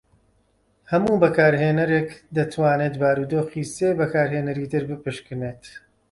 هەموو بەکارهێەرێک دەتوانێت بارودۆخی سێ بەکارهێنەری تر بپشکنێت.